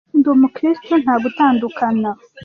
ndi umukirisitu nta gutandukana